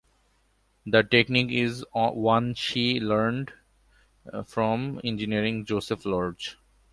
The technique is one she learned from engineer Joseph Lorge.